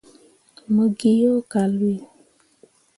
Mo ge o yo kal ɓe.